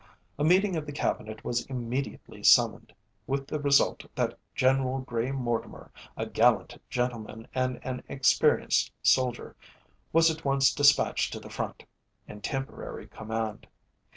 A meeting of the Cabinet was immediately summoned, with the result that General Grey Mortimer, a gallant gentleman and an experienced soldier, was at once despatched to the front, in temporary command.